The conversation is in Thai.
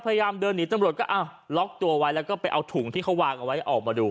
พยายามเดินหนีตำรวจก็อ้าวล็อกตัวไว้แล้วก็ไปเอาถุงที่เขาวางเอาไว้ออกมาดู